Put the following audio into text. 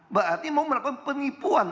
mbak ati mau melakukan penipuan